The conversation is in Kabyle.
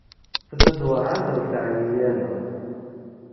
Tenna-d werɛad ur teɛyi ara.